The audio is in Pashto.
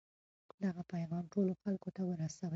دغه پیغام ټولو خلکو ته ورسوئ.